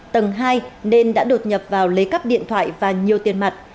tầng hai nên đã đột nhập vào lấy cắp điện thoại và nhiều tiền mặt